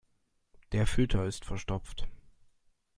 Der Filter ist verstopft.